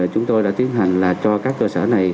chúng tôi đã tiến hành là cho các cơ sở này